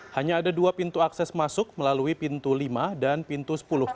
hanya ada dua pintu akses masuk melalui pintu lima dan pintu sepuluh